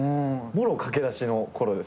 もろ駆け出しのころです。